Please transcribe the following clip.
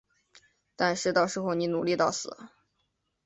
但是到时候你努力到死